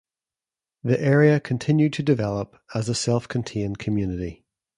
The area continued to develop as a self-contained community.